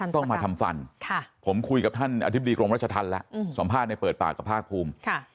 ต้องมาทำฟันผมคุยกับท่านอธิบดีกรมรัชธรรมแล้วสัมภาษณ์ในเปิดปากกับภาคภูมิ